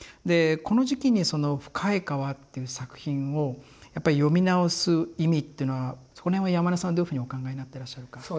でこの時期に「深い河」っていう作品をやっぱり読み直す意味っていうのはそこら辺は山根さんどういうふうにお考えになってらっしゃるか。